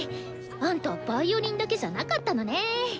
あんたヴァイオリンだけじゃなかったのね。